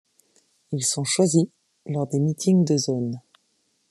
Ils sont choisis lors des meetings de zone.